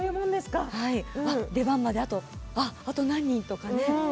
出番まであと何人とかね。